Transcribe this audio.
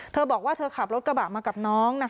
เธอบอกว่าเธอขับรถกระบะมากับน้อง